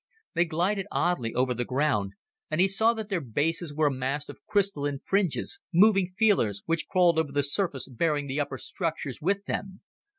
They glided oddly over the ground, and he saw that their bases were a mass of crystalline fringes, moving feelers which crawled over the surface bearing the upper structures with them.